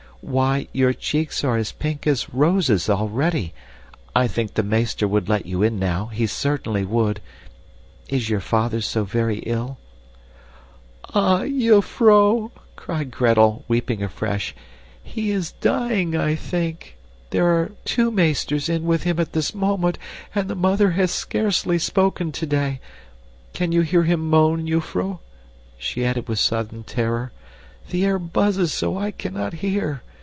Why, your cheeks are as pink as roses, already. I think the meester would let you in now, he certainly would. Is your father so very ill?" "Ah, jufvrouw," cried Gretel, weeping afresh, "he is dying, I think. There are two meesters in with him at this moment, and the mother has scarcely spoken today. Can you hear him moan, jufvrouw?" she added with sudden terror. "The air buzzes so I cannot hear.